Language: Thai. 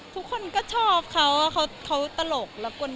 ทุกคนก็ชอบเขาเขาตลกแล้วกวน